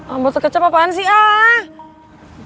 ambo sekecap apaan sih